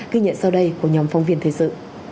ghi nhận sau đây của nhóm phóng viên thời sự